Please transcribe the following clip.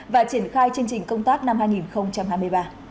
và triển khai chương trình công tác năm hai nghìn hai mươi ba